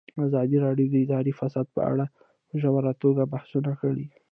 ازادي راډیو د اداري فساد په اړه په ژوره توګه بحثونه کړي.